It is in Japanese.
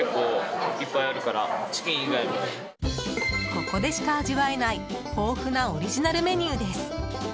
ここでしか味わえない豊富なオリジナルメニューです。